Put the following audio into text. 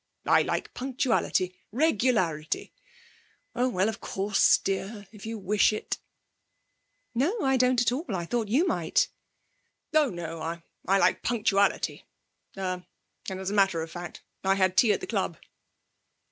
I like punctuality, regularity oh, well, of course, dear, if you wish it.' 'No, I don't at all! I thought you might.' 'Oh no. I like punctuality, er and, as a matter of fact, I had tea at the club.'